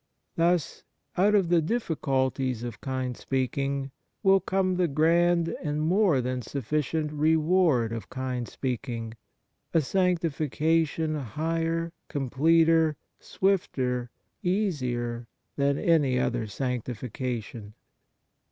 Thus, out of the difficulties of kind speaking will come the grand and more than sufficient reward of kind speaking, a sanctification higher, completer, swifter, easier, than any other sanctification.